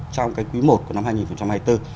trong cái quý i của năm hai nghìn hai mươi bốn